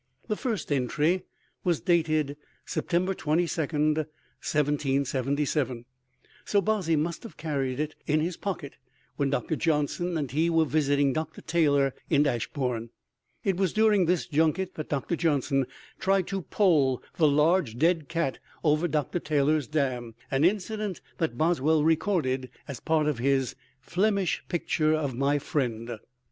The first entry was dated September 22, 1777, so Bozzy must have carried it in his pocket when Dr. Johnson and he were visiting Dr. Taylor in Ashbourne. It was during this junket that Dr. Johnson tried to pole the large dead cat over Dr. Taylor's dam, an incident that Boswell recorded as part of his "Flemish picture of my friend."